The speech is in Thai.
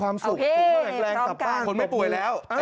อ่านี่แหละ